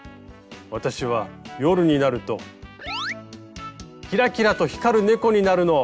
私は夜になるとキラキラと光る猫になるの。